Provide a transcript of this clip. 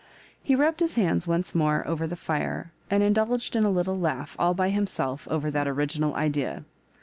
He rubbed his hq^ds once ipore over the fire, and indulged in a little laugh all by himself over that original idea.